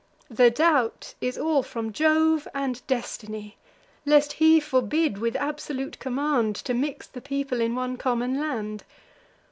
The doubt is all from Jove and destiny; Lest he forbid, with absolute command, To mix the people in one common land.